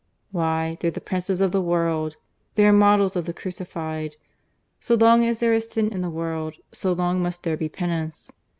"Why, they're the princes of the world! They are models of the Crucified. So long as there is Sin in the world, so long must there be Penance.